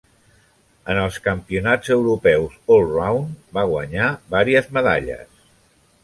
En els campionats europeus allround va guanyar vàries medalles.